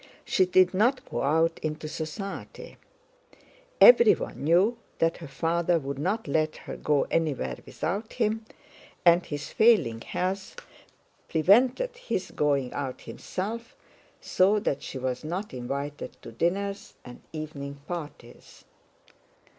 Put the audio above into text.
She did not go out into society; everyone knew that her father would not let her go anywhere without him, and his failing health prevented his going out himself, so that she was not invited to dinners and evening parties.